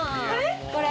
これ？